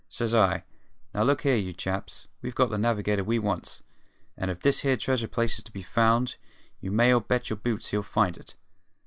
Says I: `Now look here, you chaps. We've got the navigator we wants, and if this here treasure place is to be found you may all bet your boots he'll find it.